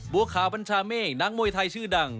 บัวขาวบัญชาเมฆนักมวยไทยชื่อดัง